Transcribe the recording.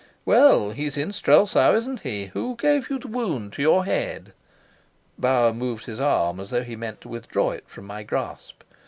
"Well, he's in Strelsau, isn't he? Who gave you the wound on your head?" Bauer moved his arm as though he meant to withdraw it from my grasp.